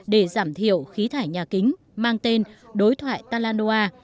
để giảm thiểu khí thải nhà kính mang tên đối thoại talanoa